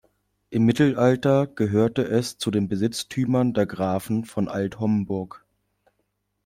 Im Mittelalter gehörte es zu den Besitztümern der Grafen von Alt-Homburg.